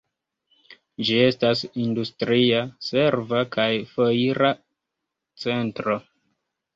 Ĝi estas industria, serva kaj foira centro.